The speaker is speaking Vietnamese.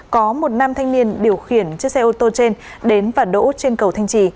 có một nam thanh niên điều khiển chiếc xe ô tô trên đến và đỗ trên cầu thanh trì